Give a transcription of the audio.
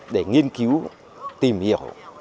để nghiên cứu tìm hiểu